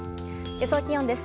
予想気温です。